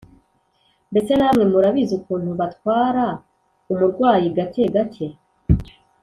mbese namwe murabizi ukuntu batwara umurwayi gake gake!